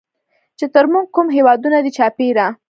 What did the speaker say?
چې تر مونږ کوم هېوادونه دي چاپېره